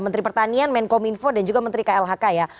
menteri pertanian menkominfo dan juga menteri klhk ya